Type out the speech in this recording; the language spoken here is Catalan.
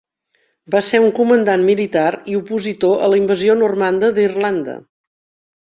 Va ser un comandant militar i opositor a la invasió normanda d'Irlanda.